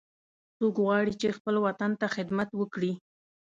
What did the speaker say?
څوک غواړي چې خپل وطن ته خدمت وکړي